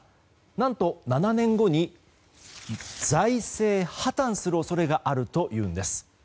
何と７年後に財政破綻する恐れがあるというんです。